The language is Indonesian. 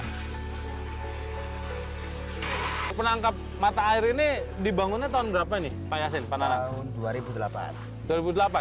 penangkap mata air ini dibangunnya tahun berapa nih pak yasin